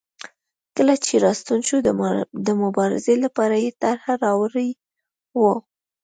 کله چې راستون شو د مبارزې لپاره یې طرحه راوړې وه.